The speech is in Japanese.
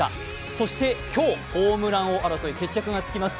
そして今日、ホームラン王争い、決着がつきます。